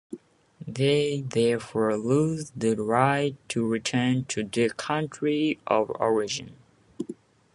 They therefore lose the right to return to their country of origin.